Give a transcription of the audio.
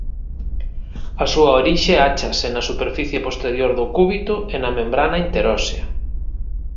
A súa orixe áchase na superficie posterior do cúbito e na membrana interósea.